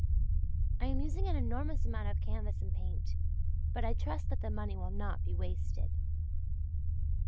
I am using an enormous amount of canvas and paint; but I trust that the money will not be wasted.